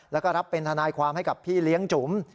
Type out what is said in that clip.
แล้วก็รับเป็นทนายความให้กับพี่เลี้ยงจุ๋ม